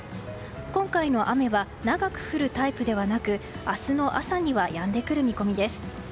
今回の雨は長く降るタイプではなく明日の朝にはやんでくる見込みです。